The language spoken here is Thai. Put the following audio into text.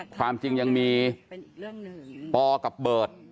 ความจริงยังมีเปอร์กับเบิร์ด